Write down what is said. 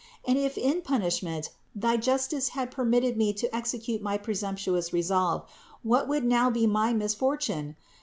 And if in punishment thy justice had permitted me to execute my presumptuous resolve, what would now be my misfortune?